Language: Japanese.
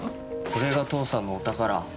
これが父さんのお宝。